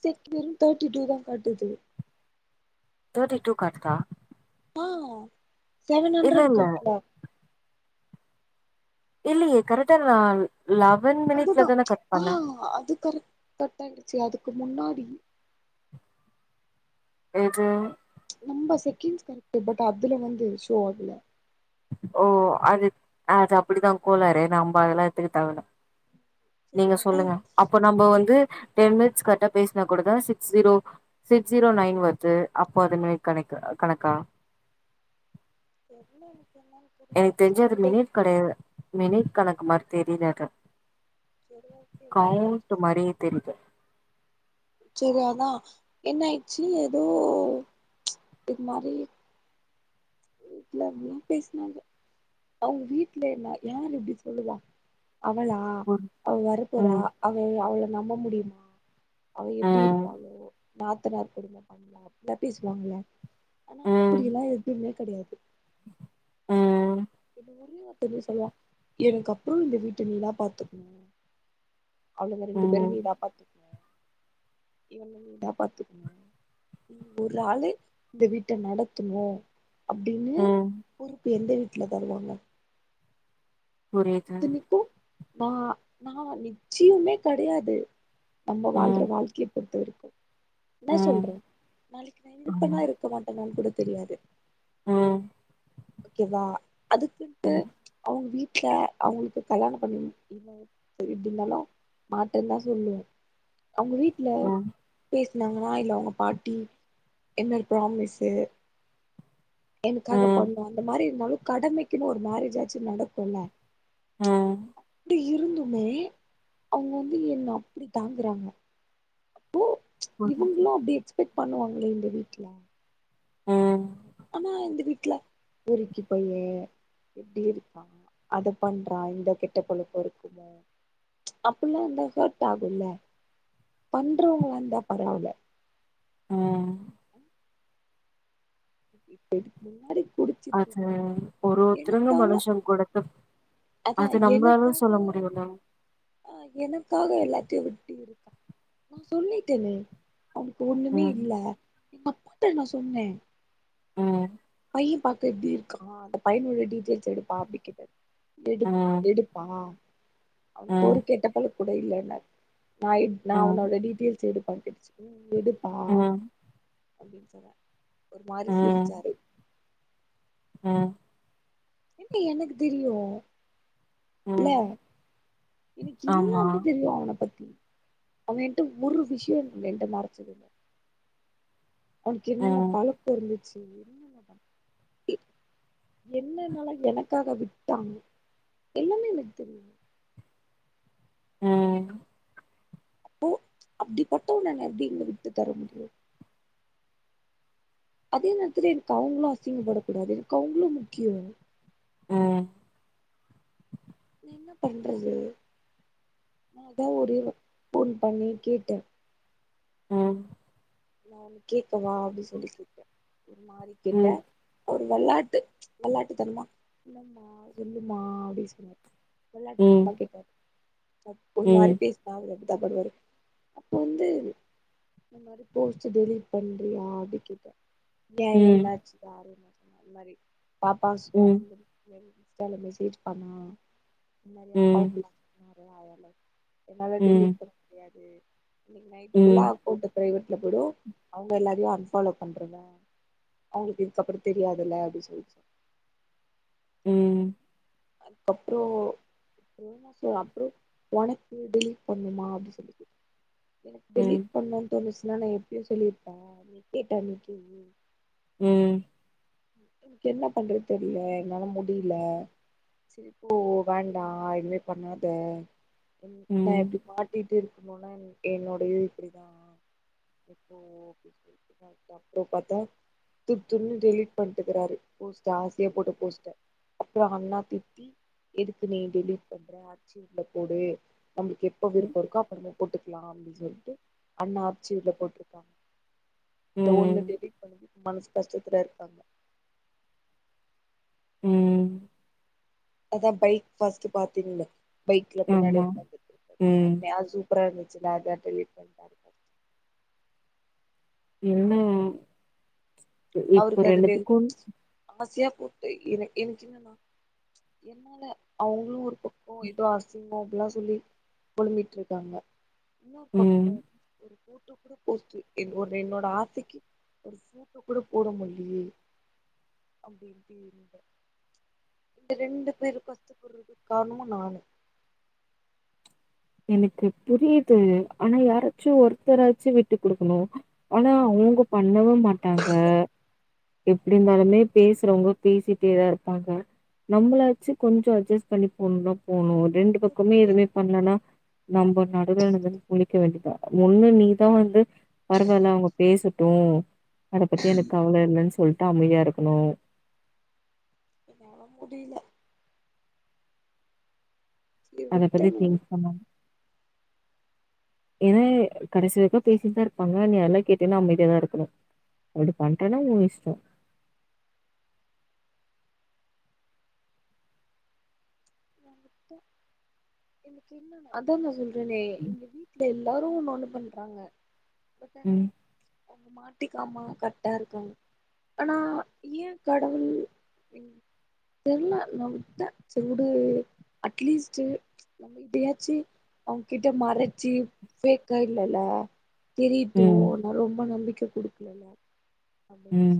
செண்டரும் thirty two தான் காட்டுது தேட்டி டூ காட்டுதா ஆ செவன் இல்ல ஹண்ட்ரட் இல்ல காட்டல இல்லையே கரெக்டா நான் லெவன் மினிட்ல அதுதா தானே கட் பண்ண ஆ அது கரெக்ட் கட்டாய்டுச்சு அதுக்கு முன்னாடி எது நம்ப செகண்ட்ஸ் கரெக்ட் பட் அதுல வந்து ஷோ ஆகல ஓ அது அது அப்பிடிதான் கோலாரு நம்ப அதெல்லாம் எடுத்துக்க தேவல சரி நீங்க அதா சொல்லுங்க அப்ப நம்ம வந்து டென் மினிட்ஸ் கரெக்டா பேசினா கூடதான் six zero six zero nine வருது அப்போ அது மேக் கணக்கு கணக்கா தெரில்ல எனக்கு என்னான்னு எனக்கு தெரிஞ்சு அது மினிட் கெடையாது மினிட் கணக்கு மார் தெரில்ல அது சரி ஓகே வேற ஏதாச்சு கவுன்ட்டு மாரியே தெரிது சேரி அதான் என்ன ஆயிச்சு ஏதோ இது மாரி எல்லாருமே பேசினாங்க அவங்க வீட்ல என யார் இப்டி சொல்லுவா அவளா புரி அவ வரப்போறா ம் அவ அவள நம்ப முடியுமா அவ எப்டி ம் இருப்பங்களோ நாத்தனார் கொடும்ம பண்ணலாம் தட் இஸ் மாமியார் ஆனா ம் அப்டியெல்லாம் எதுவுமே கிடையாது ஆ பொண்ணு கிட்ட போய் சொல்லுவா எனக்கு அப்பறம் இந்த வீட்ட நீ தா பாத்துக்கணும் அவ்ளுங்க ரெண்டு பேரும் ம் நீ தா பாத்துக்கணும் இவனையு நீ தா பாத்துக்கணும் நீ ஒரு ஆளு இந்த வீட்ட நடத்தணும் அப்டின்னு ம் பொறுப்பு எந்த வீட்ல தருவாங்க புரியுது இத்தனைக்கு நா நா நிச்சயமே கெடையாது நம்ம ம் வாழ்ற வாழ்க்கைய பொறுத்தவரைக்கு என்ன ம் சொல்ற நாளைக்கு நா ஆமா இருப்பனா இருக்க மாட்டே போன் கூட தெரியாது ம் ஓகேவா அதுக்குன்ட்டு ம் அவங்க வீட்டுல அவங்களுக்கு கல்யாணம் பண்ணி [unintelligible] இப்டி இருந்தாலு மாட்டோ தா சொல்லுவோ அவங்க வீட்டுல ம் பேசுனாங்கன்னா இல்ல அவங்க பாட்டி என்னரு ப்ராமிஸ்சு எனக்காக ம் பண்ணு அந்த மாறி இருந்தாலு கடமைக்குன்னு ஒரு மேரேஜ் ஆச்சு நடக்கும்ல ஆ இப்டி இருந்துமே அவ்ங்க வந்து என்ன அப்டி தாங்குறாங்க ஓ புரியுது இவங்களு அப்டி எக்ஸ்பெக்ட் பண்ணுவாங்கள இந்த வீட்ல ம் ஆனா இந்த வீட்ல பொறிக்கி பையே எப்டி இருப்பா அத பண்றா இந்த கெட்ட பழக்கொ இருக்குல அப்பில்லா இருந்தா ஹாட் ஆகுல பண்றவங்களா இந்தா பரவால ஆ [inaudible] முன்னாடி குடிச்சிட்டு இருந்தவ [unintelligible] ஒரு ஒருத்தருங்க எனக்காம மனுஷன் குடுத்து அதா அது நம்மளாலு சொல்ல முடியுல ஆஹ் எனக்காக எல்லாத்தையு விட்டு இருக்கா நா சொல்லிட்டேனே அவனுக்கு ஒண்ணுமே ம் இல்ல எங்க கூட்ட நா சொன்னே ம் பைய பாக்க எப்டி இருக்கா அந்த பையனுடைய டீட்டெயில்ஸ் எடுப்பா அப்டி கேட்ட எடுப் ம் எடுப்பா ம் அவனுகொரு கெட்ட பழக்கூட இல்லன்னாரு ஹாய் நா ம் உன்னோட டீடெயில்ஸ் எடு [unintelligible] எனம் அப்டின்னு சொல்லு ஒரு மாறி ம் சிரிச்சாரு ம் என்ன எனக்கு தெரியு இல்ல ம் எனக்கு ஆமா எல்லாமே தெரியு அவன பத்தி அவ என்ட ஒரு விஷயம் என்ட மறைச்சதில்ல ஒனக்கு என்னென்ன ம் பழக்கோ இருந்துச்சு என் [inaudible] என்னன்னலா எனக்காக விட்டான் எல்லாமே எனக்கு தெரியு ம் அப்போ அப்டிப்பட்ட உன்ன நா எப்டின்னு விட்டு தர முடியு அதே நேரத்துல எனக்கு அவங்களு அசிங்கப்படக் கூடாது எனக்கு அவங்களும் முக்கியோ ம் என்ன பண்றது நா தா ஒரு ஃபோன் பண்ணி கேட்டே ம் நா ஒன்னு கேட்கவா அப்டின்னு சொல்லி கேட்டே ஒரு மாறி ம் கேட்டே ம் ஒரு வெலாட்டு வெல்லாட்டு தனமா என்னம்மா சொல்லுமா அப்டி சொன்னாரு வெல்லாட்டு ம் தரமா கேப்பாரு ஒரு மாறி ம் பேசி [unintelligible] அப்போ வந்து இந்த மாறி யோய்ச்சி டெலிட் பண்றியா அப்டி கேட்டே ஏன் ம் என்னாச்சு தாரு இந்த் மேரி ம் [unintelligible] இந்த மாறி ம் அப்பாயின்மெண்ட் ஆயால என்னால டெலிட் பண்ண முடியாது இன்னைக்கு நைட்டுக்குள்ள ம் ம் அக்கோண்ட் பிரரைவேட்ல போய்டு அவுங்க எல்லாரையு அன்ஃபாலோ பண்றதா அவுங்களுக்கு இதுக்கப்பரோ தெரியாதுல்ல அப்டின்னு சொல்லிச்சு அதுக்கப்றோ சொ அப்பறோ உனக்கு டெலிட் பண்ணுமா அப்டி சொல்லுது எனக்கு ம் டெலீட் பண்ணும்ன்னு தோணுச்சுன்னா நான் எப்பேயோ சொல்லிருப்பே நீ கேட்டன்னைக்கி ம் எனக்கு என்ன பண்றது தெர்ல என்னால முடியில செரி போ வேண்டாம் எதுமே பண்ணாத நா எப்டி மாட்டிட்டு இருக்கும் போனா என்னோட இது இப்டிதா எப்போ ஓ அப்றோம் பாத்தா தூர் தின்னு டெலிட் பண்ட்டுக்கிறாரு போஸ்ட ஆசையா போட்ட போஸ்ட அப்பறோ அண்ணா திட்டி எதுக்கு நீ டெலீட் பண்ற அட்சிவ்ள போடு நம்மளுக்கு எப்ப விருப்போ இருக்கோ அப்றமேல் போட்டுக்லா அப்டின்னு சொல்ட்டு அண்ணா அச்சிவ்ல போட்ருக்காங்க அந்த ஒண்ணு ம் டெலீட் பண்ணதுக்கு மனசு கஷ்டத்துல இருக்காங்க ம் அதா பைக் ஃபஸ்ட்டு பாத்தீங்ள பைக் ல பின்னாடி ஆமா. உக்காந்துட்டு இருக்குறது ம். செம்மைய இருந்ச் சூப்பரா இருந்துசு நாதா டெலிட் பண்ண என்ன இப்போ அவருக்கு அது டெல் ரெண்டுத்துக்கு ஆசையா போட்டு எனக் என்னன்னா என்னால அவுங்ளு ஒரு பொண் ஓ ஏதோ அசிங்கோ அப்டிலா சொல்லி பொழம்பிட் இருக்காங்க என்ன ம். பக்கோ ஒரு போட்டோ கூட போஸ்ட் என்னோட என்னோட ஆசைக்கி ஒரு போட்டோ கூட போட முட்லயே அப்டின்ட்டு இங்க ரெண்டு பேரு கஷ்டபற்றதுக்கு காரனமு நானு எனக்கு புரியுது ஆனா யாராச்சு ஒருத்தராச்சு விட்டு குடுக்குணு ஆனா அவுங்க பண்ணவே மாட்டாங்க எப்டி நாலுமே பேசுறவங்க பேசிட்டேதா இருப்பாங்க நம்மளாச்சு கொஞ்சோ அஜ்ஜஸ் பண்ணி போணும் நா போணு ரெண்டு பக்கமே ஓகே எதுவுமே பண்லனா நம்ம நடுவே வந்து முழிக்க வேண்டிதா ஒன்னு நீதா வந்து பரவால்ல அவுங்க பேசட்டு அத பத்தி எனக்கு கவல இல்லனு சொல்ட்டு அமைதியா இருக்கணு என்னால முடிய்ல சேரி அத விட்டே பத்தி திங் பண்ணா இதே கடைசி வரிக்கு பேசிட்டுதா இருப்பாங்க நீ அதெல்லா கேட்டேன்னா அம்மைதியா தா இருக்ணு அப்டி பண்ட்ரனா உ இஷ்டோ அதா நா சொல்றேனே ம். எல்லாரு ஒன்னு ஒண்ணு பண்றாங்க ஆனா ம் மாட்டிக்காம கரெக்டா இருகாங் ஆனா ஏ கடவுள் தெர்ல நம்த சேர் வி டு அட்லீஸ்டு கிட்டயாச்சு அவுங்கிட்ட மறச்சு ஃபேக்கா இல்லல தெரியட்டு ம். நா ரொம்ப நம்பிக்கை குடுக்கலல ம்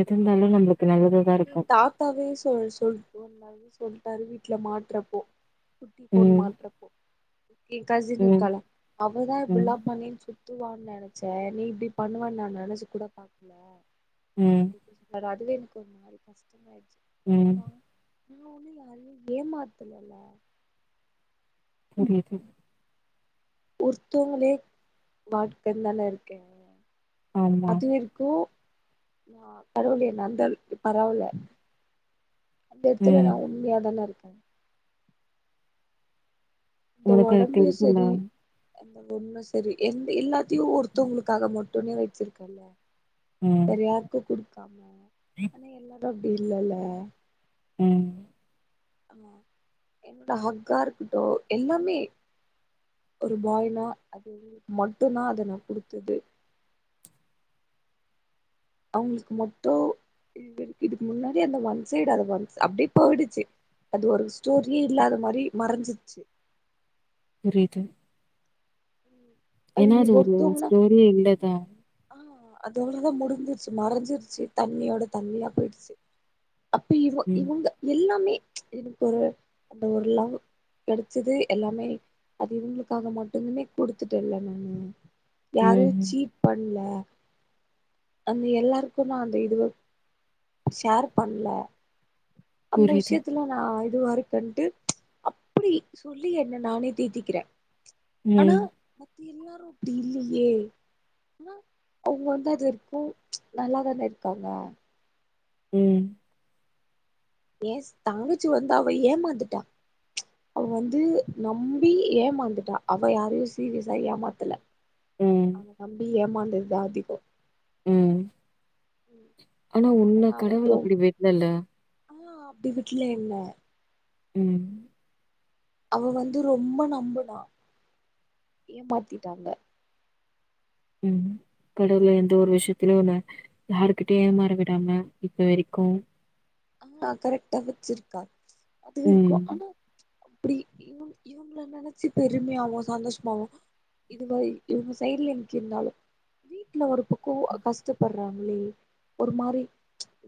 எதுந்தாலு நம்மளுக்கு நல்லது நீ தாத்தாவே சொ சொல்ட்ட [unintelligible] சொல்லிட்டாரு வீட்டுல மாட்ரப்போ குட்டி பொன்னு ம். மாட்றப்போ ஏ கசின் ம். இருக்கால அவதா ம். இப்ல்லா பன்னி சுத்துவானு நினைச்சே நீ இப்டி பண்ணுவ நா நனச்சு கூட பாக்கல ம் சோ அதுவே எனக்கு ஒரு மாரி கஷ்டமோ ஆயிடுச்சு ம். ஆமா நா ஒண்ணு யாரயு ஏமாத்தலல புரியுது ஒருத்தோங்களே வாழ்க்கன்தான இருக்கே ஆமா. அதுவு கு பரவலய அந்த அளவுக்கு பரவால்ல அந்த எடத்துல ம். நா உண்மையா தான இருக்கே இந்த உனக்கு அது உடம்பே தெரியுதுல்ல. சரி அந்த ஒண்ணு சரி எந்த எல்லாத்தையு ஒருத்தவங்களுக்காக மட்டுமே வச்சிருக்கல்ல ம். வேற யாருக்கு குடுக்காம ஆனா எல்லாரு அப்டி இல்லல்ல ம் இப்ப ஹக்கா இருக்கட்டு எல்லாமே ஒரு ஃபாய்னா அது மட்டுதா அது நா கொடுத்தது அவங்களுக்கு மொத்தோ இ இருக்கு இதுக்கு முன்னாடி அந்த ஒன் சைடு அ ஒன் அப்டியே போயிடுச்சு அது ஒரு ஸ்டோரியே இல்லாத மாரி மறைஞ்சிர்ச்சு புரியுது ஏனா அது ஒரு ஸ்டோரியே இல்லதா ஆ‌ அது அவ்ளவுதா முடிஞ்சிருச்சு மறைஞ்சிருச்சு தண்ணியோட தண்ணியா போயிட்ச்சு அப்ப இவ ம். இவுங்க எல்லாமே எனக்கு ஒரு அந்த ஒருலவ் கிடச்சது எல்லாமே அது இவங்களுக்காக மட்டுதுமே குடுச்சுட்டே இல நா யாரியு ம்ஹ்ம். சீப் பண்ல அந்த எல்லாருக்கு நா அந்த இதுவ ஷேர் பண்ல அந்த புரியுது. விஷயத்துல நா இதுவாருக்கன்ட்டு அப்டி சொல்லி என்ன நானே தீத்திக்கிறே ஆனா ம். அப்டி எல்லாரு அப்டி இல்லயே ஆனா அவுங்க வந்து அது இருக்கு நல்லாதானே இருக்காங்க ம் ஏஸ் தாங்கச்சி வந்தா அவ ஏமாத்துட்டா அவ வந்து நம்பி ஏமாந்துட்டா அவ யாரையு சீரியஸா ஏமாத்தல ம். அவன நம்பி ஏமாந்ததுதா அதிகோ ம் ஆனா உன்ன அவ ரொ கடவுள் அப்டி விட்லல்ல ஆ அப்டி வீட்ல என்ன ம் அவ வந்து ரொம்ப நம்புனா ஏமாத்திட்டாங்க ம் கடவுல் எந்த ஒரு விஷயத்திலையு ஒன ஹாருகிட்டயு ஏமாற விடாம இப்ப வரைக்கு ஆ கரெக்டா வச்சிருக்கா அது இருக்கு ம் ஆனா அப்டி இவ இவ்ங்க நினச்சு பெருமையாவு சந்தோஷமாவு இது வை இவுங்க சைடுல என்க்கு இருந்தாலு வீட்டுல ஒரு பக்கோ கஷ்டப்படுறாங்களே ஒரு மாரி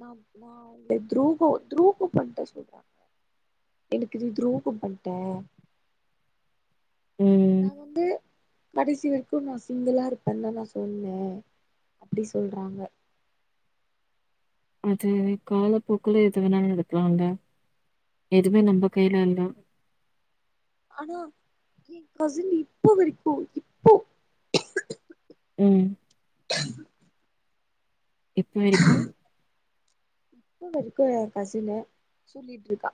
ந இந்த துரேகோ துரூக பண்ட சொல்ற எனக்கு இது துரூக பன்டா ம் நா வந்து கடைசி வரைக்கு நா சிங்கிளா இருப்பேதா நா சொன்னே அப்டி சொல்றாங்க அது காலப்போக்ல எது வேணா நடுக்கலாங்க எதுமே நம்ம கையில இல்ல ஆனா ஏ கசின் இப்ப வரைக்கு இப்போ ம் இப்ப வரைக்கு இப்ப வரைக்கு ஏ கசினு சொல்லிட்ருக்கா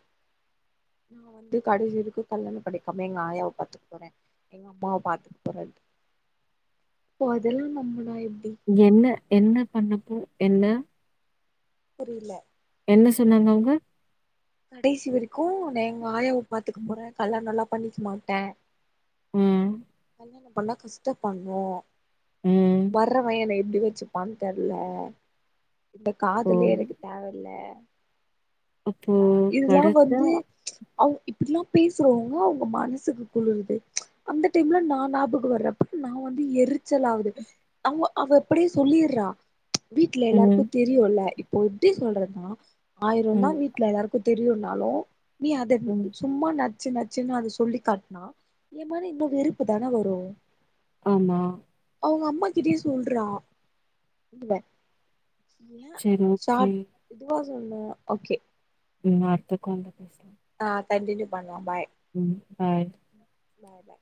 நா வந்து கடைஇருக்கு கல்லண பண்ணிக்கம எங்க ஆயாவ பாத்துக் போறே எங்க அம்மாவ பாத்துக்க போற இப்போ அதெல்லா நம்முனா எப்டி என்ன என்ன பண்ணப்போ என்ன புரில என்ன சொன்னாங்க அவுங்க கடைசி வரைக்கு நே எங்க ஆயாவ பாத்துக்க போற கல்யாணல்லா பண்ணிக்க மாட்ட ம் கல்யாணம் பண்ணா கஷ்ட பண்ணு ம் வர்றவ என்ன எப்டி வச்சு பான் தெர்ல இந்த ஓ காதலே எனக்கு தேவ இல்ல அப்போ ல்லா இதெல்லா கடைசியா வந்து அவ் இப்டிலா பேசுறவங்க அவங்க மனசுக்கு குளுறுது அந்த டைம்ல நா ஞாபக வர்றப்ப நா வந்து எரிச்சல் ஆவுது அவ் அவ அப்டே சொல்லிட்றா வீட்ல எல்லாருக்கு ம் தெரியுல்ல இப்போ எப்டி சொல்றதுன்னா ஆயிர தா ம் வீட் வீட்ல எல்லாருக்கு தெரியுன்னாலு நீ அத ம் சும்மா நச்சு நச்சுன்னு அத சொல்லி காட்னா எ மேல இன்னு வெறுப்பு தான வரு ஆமா அவுங்க அம்மா கிட்டயே சொல்றா இதுல ஏ சரி சா ஓகே இதுவா சொன்ன ஓகே ம் அடுத்த கால்ல பேசலா ஆ கண்டினியூ பண்லா பாய் ம் பாய் பாய் பாய்